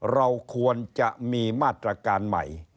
เราควรจะมีมาตรการใหม่